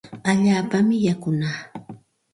Allaapami yakunaa.